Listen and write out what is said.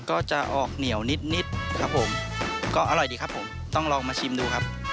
ก็จะออกเหนียวนิดนิดครับผมก็อร่อยดีครับผมต้องลองมาชิมดูครับ